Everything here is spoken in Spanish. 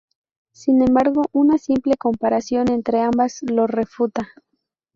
Sin embargo, una simple comparación entre ambas lo refuta.